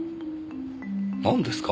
なんですか？